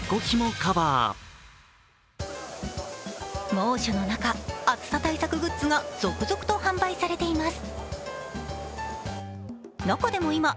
猛暑の中、暑さ対策グッズが続々と販売されています。